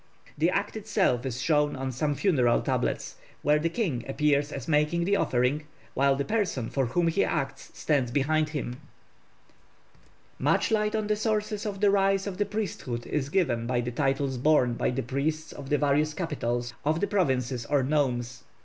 The act itself is shown on some funeral tablets, where the king appears as making the offering, while the person for whom he acts stands behind him. Much light on the sources of the rise of the priesthood is given by the titles borne by the priests of the various capitals of the provinces or nomes.